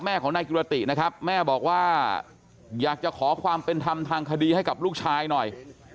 ของนายกิรตินะครับแม่บอกว่าอยากจะขอความเป็นธรรมทางคดีให้กับลูกชายหน่อย